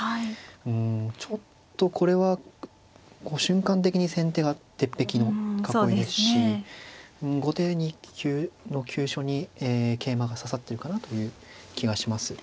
うんちょっとこれは瞬間的に先手が鉄壁の囲いですし後手の急所に桂馬が刺さってるかなという気がします。